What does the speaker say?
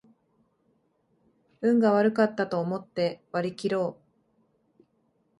運が悪かったと思って割りきろう